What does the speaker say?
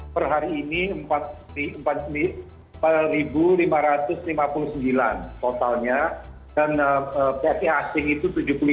per hari ini empat lima ratus lima puluh sembilan totalnya dan psi asing itu tujuh puluh lima